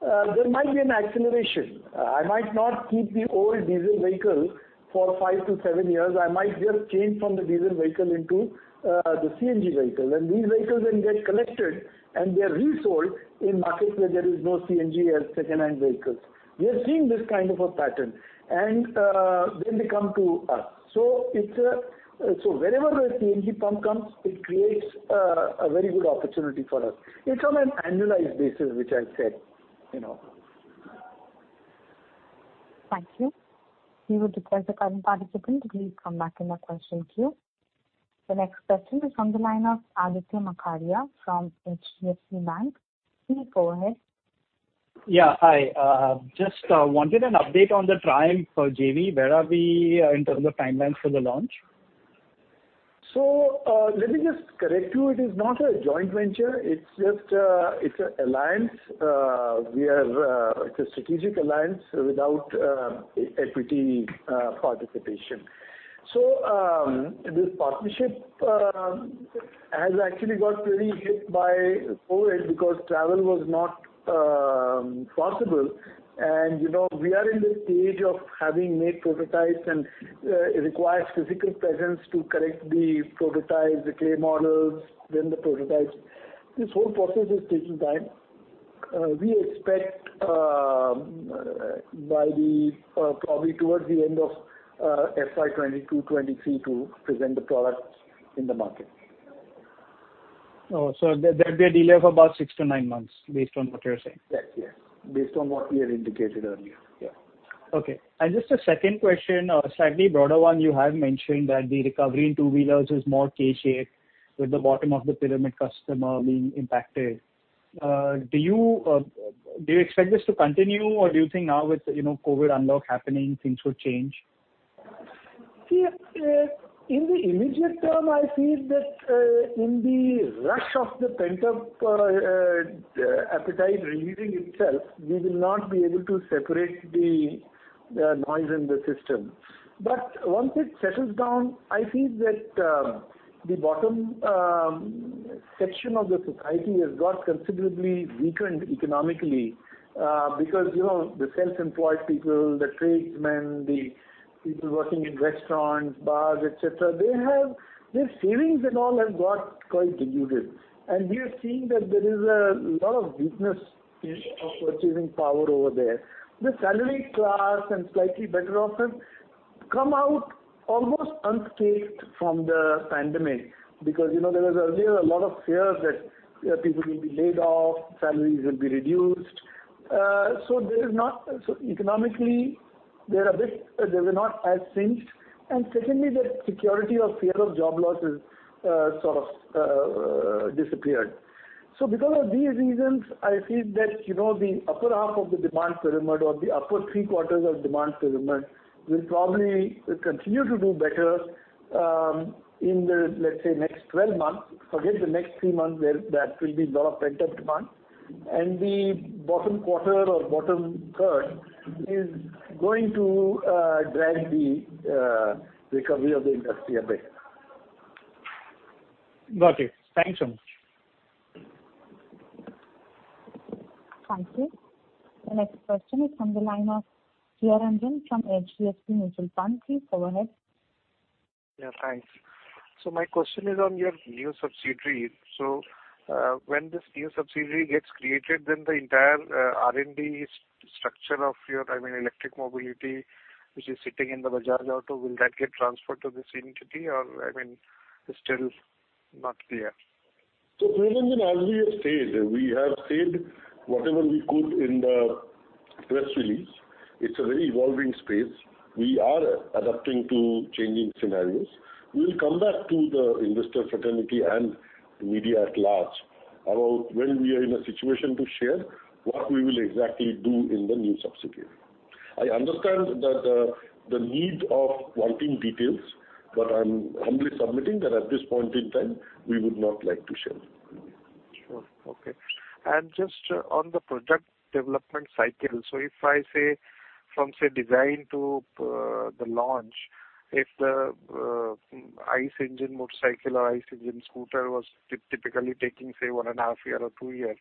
there might be an acceleration. I might not keep the old diesel vehicle for five to seven years. I might just change from the diesel vehicle into the CNG vehicle. These vehicles then get collected and they are resold in markets where there is no CNG as secondhand vehicles. We are seeing this kind of a pattern, then they come to us. Wherever a CNG pump comes, it creates a very good opportunity for us. It's on an annualized basis, which I said. Thank you. We will disconnect the current participant. Please come back in the question queue. The next question is on the line of Aditya Makharia from HDFC Securities. Please go ahead. Yeah. Hi. Just wanted an update on the Triumph JV. Where are we in terms of timelines for the launch? Let me just correct you. It is not a joint venture. It's an alliance. It's a strategic alliance without equity participation. This partnership has actually got very hit by COVID because travel was not possible. We are in the stage of having made prototypes, and it requires physical presence to correct the prototypes, the clay models, then the prototypes. This whole process is taking time. We expect by probably towards the end of FY 2022, FY 2023 to present the product in the market. Oh, there'd be a delay of about six to nine months, based on what you're saying. Yes. Based on what we had indicated earlier. Yeah. Okay. Just a second question, a slightly broader one. You have mentioned that the recovery in two-wheelers is more K-shaped, with the bottom-of-the-pyramid customer being impacted. Do you expect this to continue, or do you think now with COVID unlock happening, things will change? See, in the immediate term, I feel that in the rush of the pent-up appetite relieving itself, we will not be able to separate the noise in the system. Once it settles down, I feel that the bottom section of the society has got considerably weakened economically, because the self-employed people, the tradesmen, the people working in restaurants, bars, et cetera, their savings and all have got quite diluted. We are seeing that there is a lot of weakness of purchasing power over there. The salary class and slightly better off have come out almost unscathed from the pandemic. There was earlier a lot of fear that people will be laid off, salaries will be reduced. Economically, they were not as pinched, and secondly, that security or fear of job loss has sort of disappeared. Because of these reasons, I feel that the upper half of the demand pyramid or the upper three-quarters of demand pyramid will probably continue to do better in the, let's say, next 12 months. Forget the next three months, where there will be a lot of pent-up demand, and the bottom quarter or bottom third is going to drag the recovery of the industry a bit. Got it. Thanks so much. Thank you. The next question is from the line of Priya Ranjan from HDFC Mutual Fund. Please go ahead. Yeah. Thanks. My question is on your new subsidiary. When this new subsidiary gets created, then the entire R&D structure of your electric mobility, which is sitting in Bajaj Auto, will that get transferred to this entity or it's still not clear? Priya Ranjan, as we have said, we have said whatever we could in the press release. It's a very evolving space. We are adapting to changing scenarios. We'll come back to the investor fraternity and media at large about when we are in a situation to share what we will exactly do in the new subsidiary. I understand the need of wanting details, but I'm humbly submitting that at this point in time, we would not like to share. Sure. Okay. Just on the product development cycle. If I say from, say, design to the launch, if the ICE engine motorcycle or ICE engine scooter was typically taking, say, one and a half year or two years.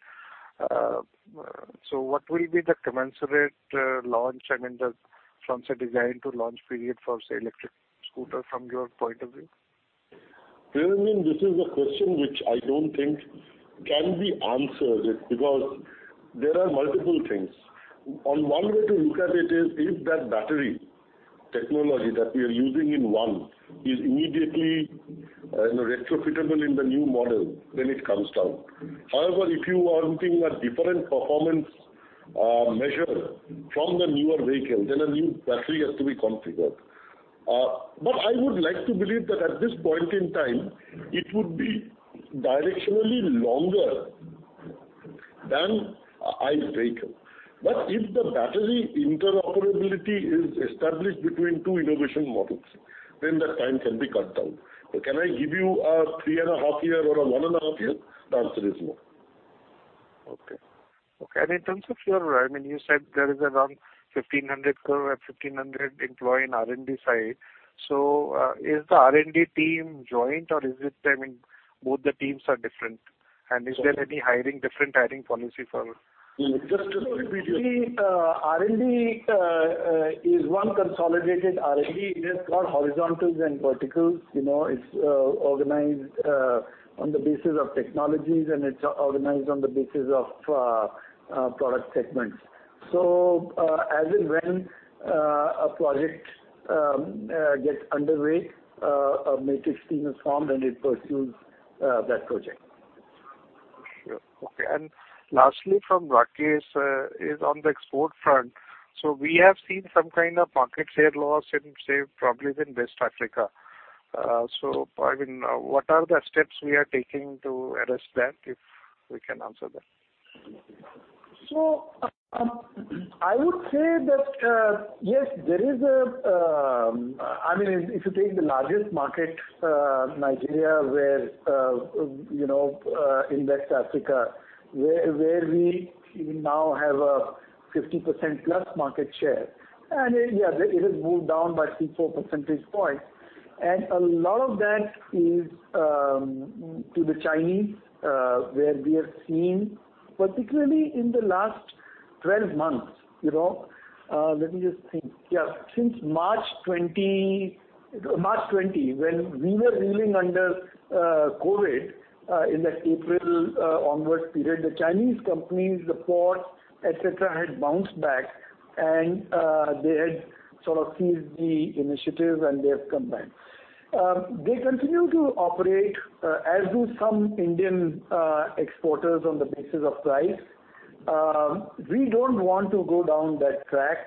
What will be the commensurate launch, from, say, design to launch period for, say, electric scooter from your point of view? Priya Ranjan, this is a question which I don't think can be answered, because there are multiple things. On one way to look at it is, if that battery technology that we are using in one is immediately retrofittable in the new model when it comes down. However, if you are looking at different performance measure from the newer vehicle, then a new battery has to be configured. I would like to believe that at this point in time, it would be directionally longer than ICE vehicle. If the battery interoperability is established between two innovation models, then the time can be cut down. Can I give you a three and a half year or a one and a half year? The answer is no. Okay. You said there is around 1,500 employee in R&D side. Is the R&D team joint or is it both the teams are different? Is there any different hiring policy for. Just to repeat here. R&D is one consolidated R&D. It's got horizontals and verticals. It's organized on the basis of technologies, and it's organized on the basis of product segments. As and when a project gets underway, a matrix team is formed, and it pursues that project. Sure. Okay. Lastly from Rakesh is on the export front. We have seen some kind of market share loss in, say, probably in West Africa. What are the steps we are taking to address that, if we can answer that? I would say that, yes, if you take the largest market, Nigeria, in West Africa, where we now have a 50%-plus market share. Yeah, it has moved down by three, four percentage points. A lot of that is to the Chinese, where we have seen, particularly in the last 12 months. Let me just think. Yeah. Since March 2020, when we were reeling under COVID, in that April onwards period, the Chinese companies, the ports, et cetera, had bounced back, and they had sort of seized the initiative, and they have come back. They continue to operate, as do some Indian exporters on the basis of price. We don't want to go down that track.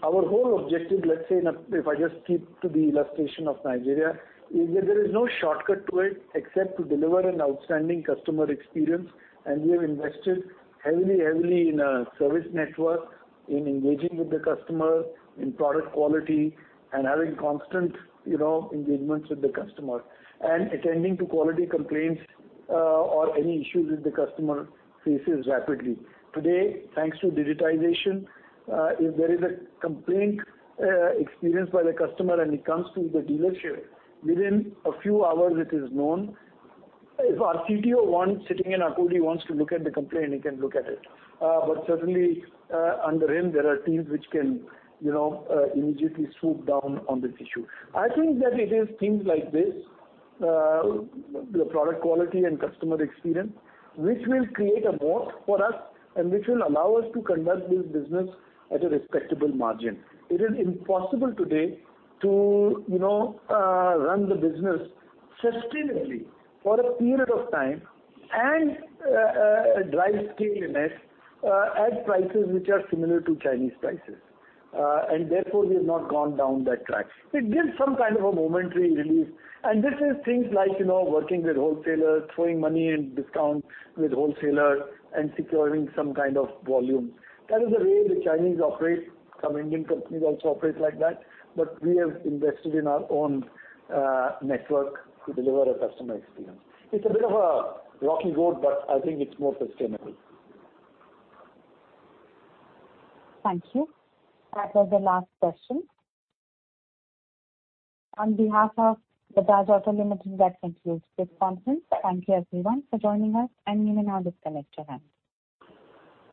Our whole objective, let's say, if I just keep to the illustration of Nigeria, is that there is no shortcut to it except to deliver an outstanding customer experience. We have invested heavily in a service network, in engaging with the customer, in product quality, and having constant engagements with the customer. Attending to quality complaints or any issues that the customer faces rapidly. Today, thanks to digitization, if there is a complaint experienced by the customer and it comes to the dealership, within a few hours it is known. If our CTO sitting in Akurdi wants to look at the complaint, he can look at it. Certainly, under him, there are teams which can immediately swoop down on this issue. I think that it is things like this, the product quality and customer experience, which will create a moat for us, and which will allow us to conduct this business at a respectable margin. It is impossible today to run the business sustainably for a period of time and drive scaliness at prices which are similar to Chinese prices. Therefore, we have not gone down that track. It gives some kind of a momentary relief, and this is things like working with wholesalers, throwing money and discount with wholesalers, and securing some kind of volume. That is the way the Chinese operate. Some Indian companies also operate like that, but we have invested in our own network to deliver a customer experience. It's a bit of a rocky road, but I think it's more sustainable. Thank you. That was the last question. On behalf of Bajaj Auto Limited, that concludes this conference. Thank you everyone for joining us, and you may now disconnect your lines.